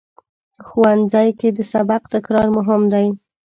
ښوونځی کې د سبق تکرار مهم دی